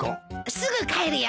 すぐ帰るよ。